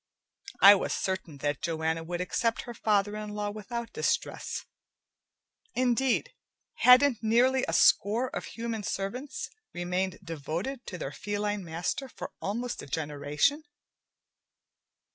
I was certain that Joanna would accept her father in law without distress. Indeed, hadn't nearly a score of human servants remained devoted to their feline master for almost a generation?